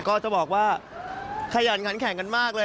ก็จะบอกว่าขยันขันแข่งกันมากเลย